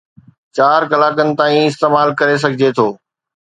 چار ڪلاڪن تائين استعمال ڪري سگھجي ٿو